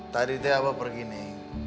tadi teh abang pergi nih